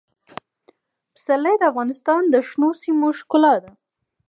پسرلی د افغانستان د شنو سیمو ښکلا ده.